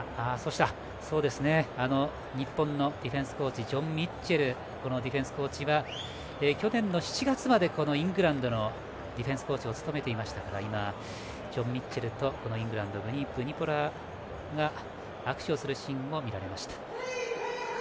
日本のジョン・ミッチェルディフェンスコーチは去年の７月まで、イングランドのディフェンスコーチを務めていましたからジョン・ミッチェルとイングランドのビリー・ブニポラが握手するシーンも見られました。